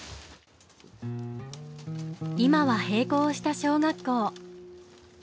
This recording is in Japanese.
今は閉校した小学校。